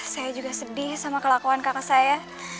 saya juga sedih sama kelakuan kakak saya